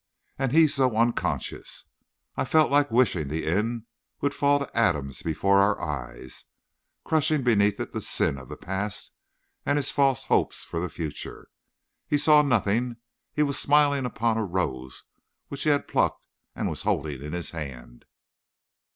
And he so unconscious! I felt like wishing the inn would fall to atoms before our eyes, crushing beneath it the sin of the past and his false hopes for the future. He saw nothing. He was smiling upon a rose which he had plucked and was holding in his hand.